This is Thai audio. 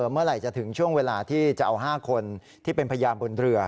เมื่อไหร่จะถึงช่วงเวลาที่จะเอา๕คนที่เป็นพยานบนเรือ